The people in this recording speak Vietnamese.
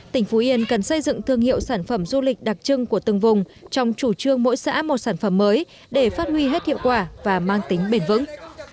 tỉnh phú yên cần xây dựng thương hiệu sản phẩm du lịch đặc trưng của từng vùng trong chủ trương mỗi xã một sản phẩm mới để phát huy hết hiệu quả và mang tính bền vững